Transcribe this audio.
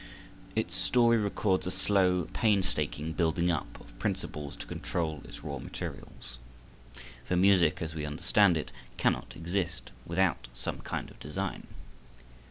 Its story records a slow, painstaking building up of principles to control its raw materials; for music, as we understand it, cannot exist without some kind of design.